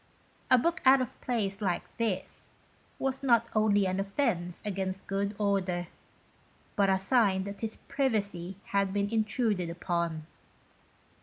A book out of place like this, 24 BONE TO HIS BONE. was not only an offence against good order, but a sign that his privacy had been intruded upon.